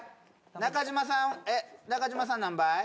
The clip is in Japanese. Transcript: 中島さんえっ中島さん何杯？